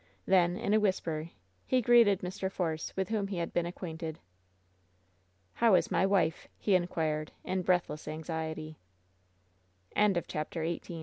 Then, in a whisper, he greeted Mr. Force, with whom he had been acquainted. "How is my wife?" he inquired, in breathless anxiety. CHAPTEE X